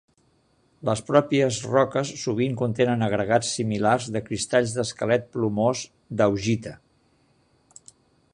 Les pròpies roques sovint contenen agregats similars de cristalls d'esquelet plomós d'augita.